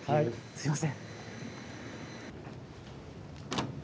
すいません。